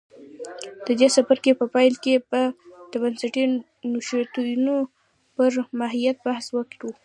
د دې څپرکي په پیل کې به د بنسټي نوښتونو پر ماهیت بحث وکړو